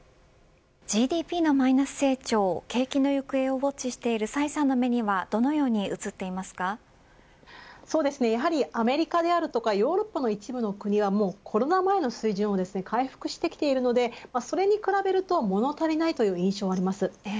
ＧＤＰのマイナス成長景気の行方をウォッチしている崔さんの目にはアメリカであるとかヨーロッパの一部の国はコロナ前の水準に回復してきているのでそれに比べると物足りない印象です。